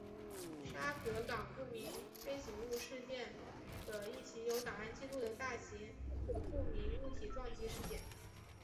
沙格港不明飞行物事件的一起有档案记录的大型不明物体撞击事件。